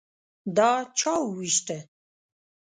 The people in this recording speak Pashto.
_دا چا ووېشته؟